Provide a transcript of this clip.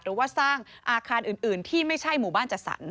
หรือว่าสร้างอาคารอื่นที่ไม่ใช่หมู่บ้านจัดสรร